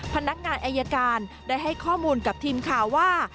พนักงานอายการได้ให้ข้อมูลกับทีมข่าวว่า